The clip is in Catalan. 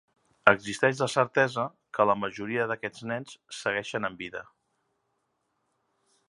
Existeix la certesa que la majoria d'aquests nens segueixen amb vida.